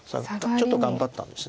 ちょっと頑張ったんです。